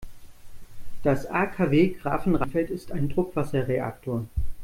Das AKW Grafenrheinfeld ist ein Druckwasserreaktor.